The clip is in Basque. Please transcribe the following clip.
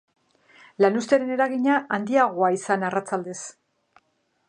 Lanuztearen eragina handiagoa izan arratsaldez.